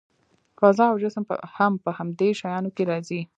فضا او جسم هم په همدې شیانو کې راځي.